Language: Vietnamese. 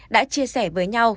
đã chia sẻ với nhau